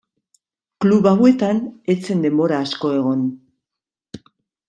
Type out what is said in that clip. Klub hauetan ez zen denbora asko egon.